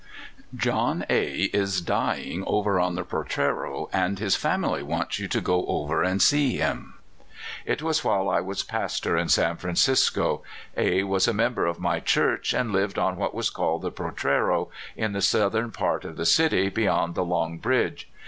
*' John A is dying over on the Portrero, and his family wants you to go over and see him." It was while I was pastor in San Francisco. A was a member of my church, and lived on what was called the Portrero, in the southern part of the city, beyond the Long Bridge.